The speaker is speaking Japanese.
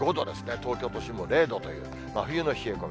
東京都心も０度という真冬の冷え込み。